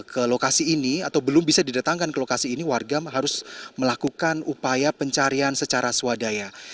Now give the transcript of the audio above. ke lokasi ini atau belum bisa didatangkan ke lokasi ini warga harus melakukan upaya pencarian secara swadaya